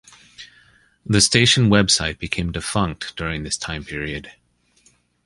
The station website became defunct during this time period.